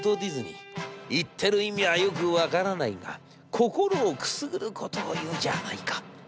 言ってる意味はよく分からないが心をくすぐることを言うじゃないか』。